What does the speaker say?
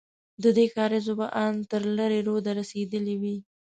ددې کارېز اوبه ان تر لېرې روده رسېدلې وې.